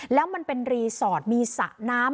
แล้วมันเป็นรีสอร์ทมีสระน้ำ